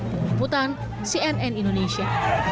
pembutuhan cnn indonesia